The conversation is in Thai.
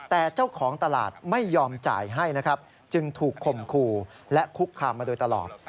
แต่เจ้าของตลาดไม่ยอมจ่ายให้นะครับจึงถูกข่มขู่และคุกคามมาโดยตลอด